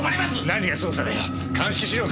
何が捜査だよ。